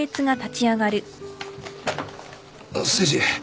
誠治